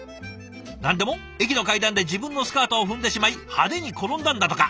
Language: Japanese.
何でも駅の階段で自分のスカートを踏んでしまい派手に転んだんだとか。